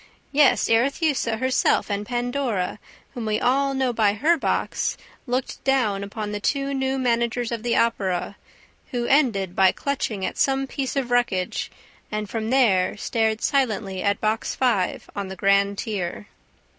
Yes, Arethusa herself and Pandora, whom we all know by her box, looked down upon the two new managers of the Opera, who ended by clutching at some piece of wreckage and from there stared silently at Box Five on the grand tier.